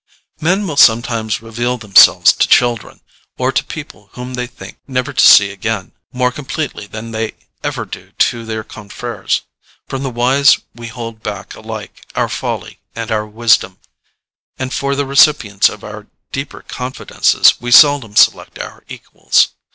Men will sometimes reveal themselves to children, or to people whom they think never to see again, more completely than they ever do to their confreres. From the wise we hold back alike our folly and our wisdom, and for the recipients of our deeper confidences we seldom select our equals.